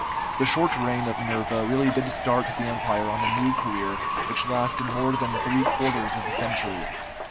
The short reign of Nerva really did start the Empire on a new career, which lasted more than three quarters of a century.